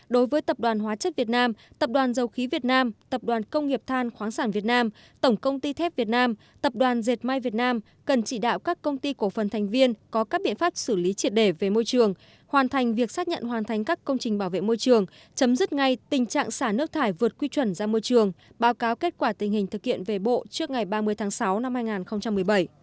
đối với tập đoàn hóa chất việt nam tập đoàn dầu khí việt nam tập đoàn công nghiệp than khoáng sản việt nam tổng công ty thép việt nam tập đoàn dệt mai việt nam cần chỉ đạo các công ty cổ phần thành viên có các biện pháp xử lý triệt để về môi trường hoàn thành việc xác nhận hoàn thành các công trình bảo vệ môi trường chấm dứt ngay tình trạng xả nước thải vượt quy chuẩn ra môi trường báo cáo kết quả tình hình thực hiện về bộ trước ngày ba mươi tháng sáu năm hai nghìn một mươi bảy